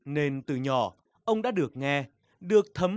nên từ nhỏ ông đã được nghe được thấm